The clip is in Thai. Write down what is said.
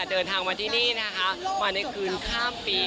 เดินทางมาที่นี่นะคะมาในคืนข้ามปี